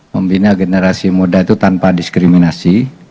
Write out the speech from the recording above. membina generasi muda itu tanpa diskriminasi